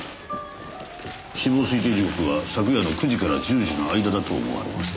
死亡推定時刻は昨夜の９時から１０時の間だと思われます。